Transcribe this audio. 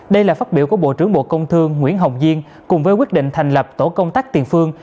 đây là phát biểu của bộ trưởng bộ công thương nguyễn hồng diên cùng với quyết định thành lập tổ công tác tiền phương